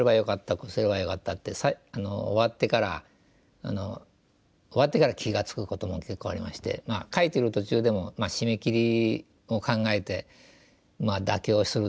こうすればよかったって終わってから終わってから気が付くことも結構ありまして描いてる途中でも締め切りを考えて妥協するということもありますし。